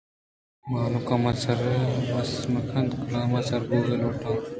بانک! من مومس ءِ منت ءَ کلام ءَ سربوئگ نہ لوٹاں